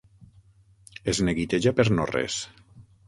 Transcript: Es neguiteja per no res.